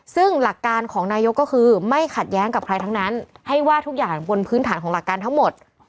ซึ่งหลักการของนายกก็คือไม่ขัดแย้งกับใครทั้งนั้นให้ว่าทุกอย่างบนพื้นฐานของหลักการทั้งหมด